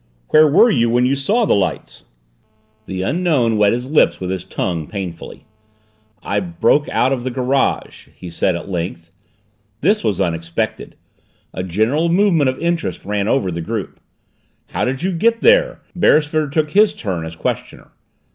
"Where were you when you saw the lights?" The Unknown wet his lips with his tongue, painfully. "I broke out of the garage," he said at length. This was unexpected. A general movement of interest ran over the group. "How did you get there?" Beresford took his turn as questioner.